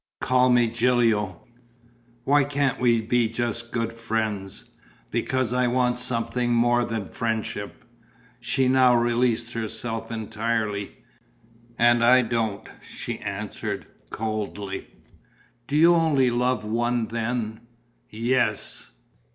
"Call me Gilio!" "Why can't we be just good friends?" "Because I want something more than friendship." She now released herself entirely: "And I don't!" she answered, coldly. "Do you only love one then?" "Yes."